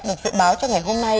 được dự báo cho ngày hôm nay